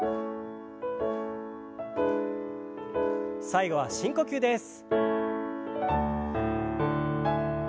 最後は深呼吸です。